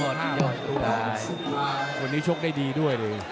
วันนี้ชจกรได้ดีด้วยด้วย